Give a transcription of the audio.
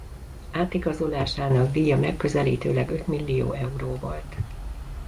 Átigazolásának díja megközelítőleg ötmillió euró volt.